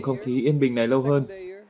không khí yên bình này lâu hơn